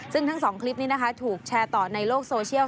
ซึ่งทั้งสองคลิปนี้นะคะถูกแชร์ต่อในโลกโซเชียล